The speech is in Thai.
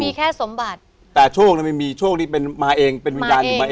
มีแค่สมบัติแต่โชคแล้วไม่มีโชคนี้เป็นมาเองเป็นวิญญาณอยู่มาเอง